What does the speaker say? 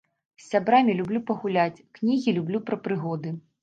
З сябрамі люблю пагуляць, кнігі люблю пра прыгоды.